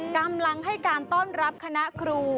กำลังให้การต้อนรับคณะครู